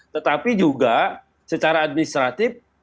tetapi juga secara administratif